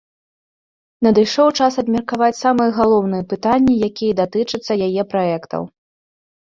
Надышоў час абмеркаваць самыя галоўныя пытанні, якія датычацца яе праектаў.